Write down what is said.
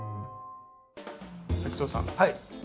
滝藤さん